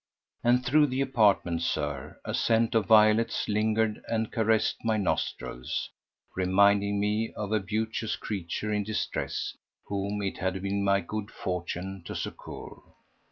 And through the apartment, Sir, a scent of violets lingered and caressed my nostrils, reminding me of a beauteous creature in distress whom it had been my good fortune to succour.